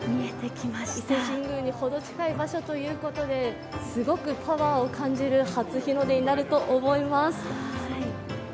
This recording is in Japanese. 伊勢神宮にほど近い場所ということで、すごくパワーを感じる初日の出になると思います